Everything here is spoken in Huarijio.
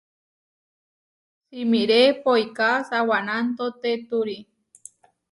Simiré poiká sawanantotéturi.